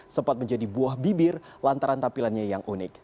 sempat menjadi buah bibir lantaran tampilannya yang unik